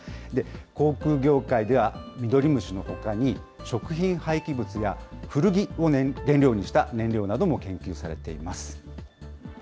航空業界では、ミドリムシのほかに食品廃棄物や、古着を原料にした燃料なども研究されています。